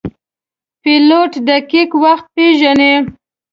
پیلوټ دقیق وخت پیژني.